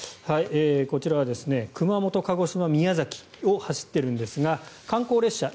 こちらは熊本、鹿児島、宮崎を走っているんですが観光列車